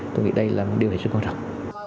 tôi nghĩ đây là một điều rất quan trọng